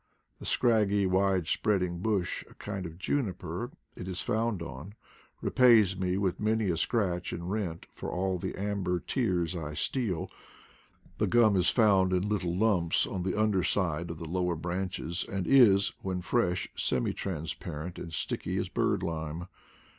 _ The scraggy wide spreading bush, a kind ^ of juniper, it is found on, repays me with many a scratch and rent for all the amber tears I steal. The gum is found in little lumps on the under side of the lower branches, and is, when fresh, semi transparent and sticky as bird lime.